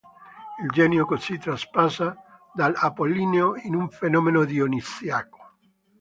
Il genio così trapassa dall'apollineo in un fenomeno dionisiaco.